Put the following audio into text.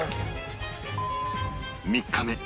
３日目